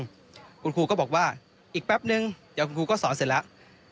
คุณครูก็บอกว่าอีกแป๊บนึงเดี๋ยวคุณครูก็สอนเสร็จแล้ว